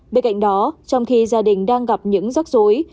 bên cạnh đó trong khi gia đình đang gặp những rắc rối